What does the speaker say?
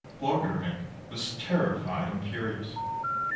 Borgrevinck was terrified and furious.